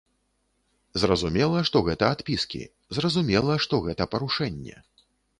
Зразумела, што гэта адпіскі, зразумела, што гэта парушэнне.